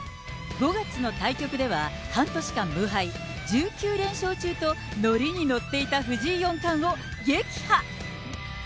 ５月の対局では半年間無敗、１９連勝中と、乗りに乗っていた藤井四冠を撃破。